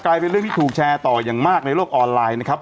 เป็นเรื่องที่ถูกแชร์ต่ออย่างมากในโลกออนไลน์นะครับ